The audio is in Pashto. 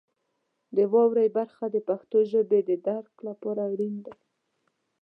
د واورئ برخه د پښتو ژبې د درک لپاره اړین دی.